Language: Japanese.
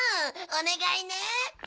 お願いね。